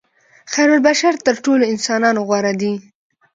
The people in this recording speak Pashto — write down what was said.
خیرالبشر تر ټولو انسانانو غوره دي.